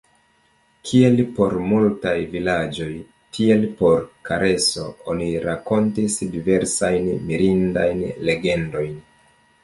Kiel por multaj vilaĝoj, tiel por Kareso, oni rakontis diversajn mirindajn legendojn.